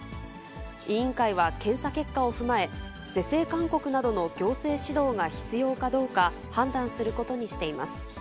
委員会は検査結果を踏まえ、是正勧告などの行政指導が必要かどうか、判断することにしています。